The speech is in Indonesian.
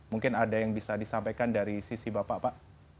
mungkin ada yang bisa disampaikan dari sisi bapak pak